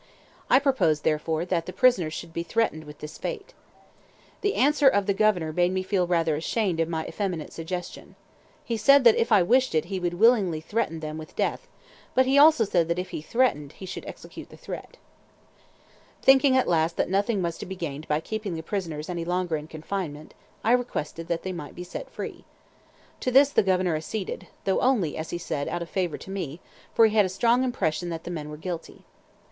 I proposed, therefore, that the prisoners should be threatened with this fate. The answer of the Governor made me feel rather ashamed of my effeminate suggestion. He said that if I wished it he would willingly threaten them with death, but he also said that if he threatened, he should execute the threat. Thinking at last that nothing was to be gained by keeping the prisoners any longer in confinement, I requested that they might be set free. To this the Governor acceded, though only, as he said, out of favour to me, for he had a strong impression that the men were guilty.